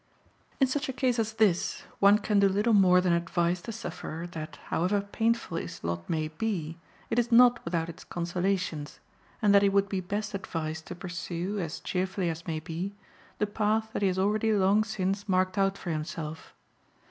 In such a case as this, one can do little more than advise the sufferer that, however painful his lot may be, it is not without its consolations, and that he would be best advised to pursue, as cheerfully as may be, the path that he has already long since marked out for himself.